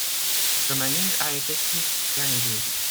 Le menhir a été christianisé.